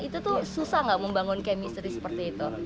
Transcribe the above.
itu tuh susah nggak membangun chemistry seperti itu